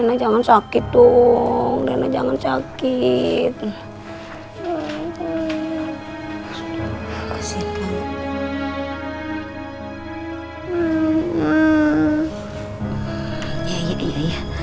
rena jangan sakit dong rena jangan sakit